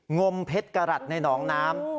งมเพชรกระหลัดในหนองน้ำ